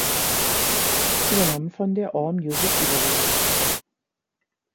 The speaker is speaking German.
Übernommen von der AllMusic-Übersicht.